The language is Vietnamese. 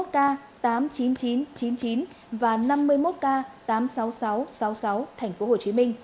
hai mươi k tám mươi chín nghìn chín trăm chín mươi chín và năm mươi một k tám mươi sáu nghìn sáu trăm sáu mươi sáu tp hcm